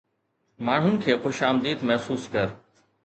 ماڻهن کي خوش آمديد محسوس ڪر